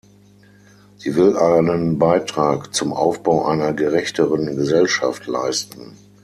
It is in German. Sie will einen Beitrag zum Aufbau einer gerechteren Gesellschaft leisten.